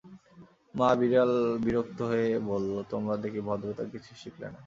মা-বিড়াল বিরক্ত হয়ে বলল, তোমরা দেখি ভদ্রতা কিছুই শিখলে না!